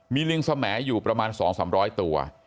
มีลิงสมัยอยู่ประมาณ๒๓๐๐ตัว